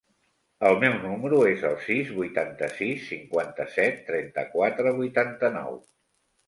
El meu número es el sis, vuitanta-sis, cinquanta-set, trenta-quatre, vuitanta-nou.